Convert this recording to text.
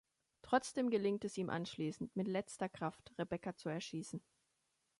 Trotzdem gelingt es ihm anschließend mit letzter Kraft, Rebecca zu erschießen.